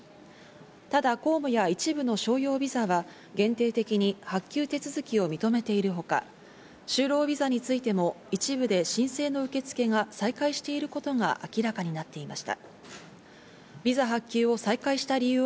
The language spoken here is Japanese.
ただ公務や一部の商用ビザは限定的に発給手続きを認めているほか、就労ビザについても一部で申請の受け付けが再開していることが明らかになっていました。